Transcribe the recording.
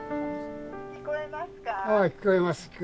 「聞こえますか？」。